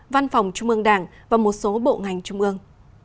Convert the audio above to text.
văn phòng trung ương đảng và một số bộ ngành trung ương